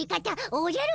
おじゃる。